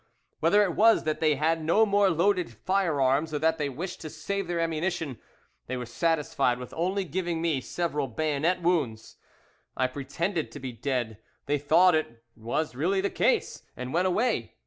Whether it was that they had no more loaded firearms, or that they wished to save their ammunition, they were satisfied with only giving me several bayonet wounds. I pretended to be dead: they thought it was really the case, and went away.